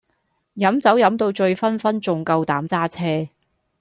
飲酒飲到醉醺醺仲夠膽揸車